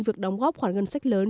việc đóng góp khoản ngân sách lớn